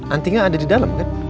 antinya ada di dalam kan